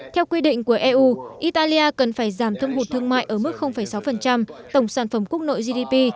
theo quy định của eu italia cần phải giảm thâm hụt thương mại ở mức sáu tổng sản phẩm quốc nội gdp